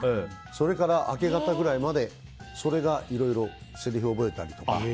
それから明け方ぐらいまでいろいろせりふを覚えたりとか。